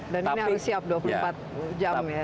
dan ini harus siap dua puluh empat jam ya